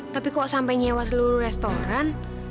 tapi kok sampai nyewa seluruh restoran